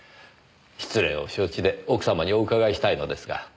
失礼を承知で奥様にお伺いしたいのですが。